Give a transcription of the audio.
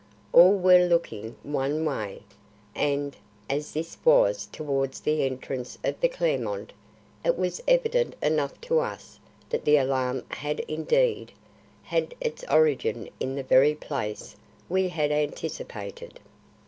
All were looking one way, and, as this was towards the entrance of the Clermont, it was evident enough to us that the alarm had indeed had its origin in the very place we had anticipated.